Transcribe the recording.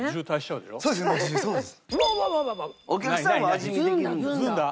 お客さんは味見できるんですか？